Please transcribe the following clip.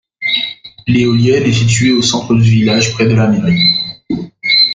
L'éolienne est située au centre du village près de la mairie.